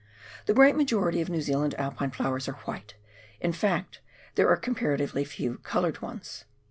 The great majority of New Zealand Alpine flowers are white, in fact there are comparatively very few coloured ones.